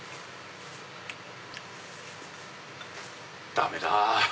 ダメだ！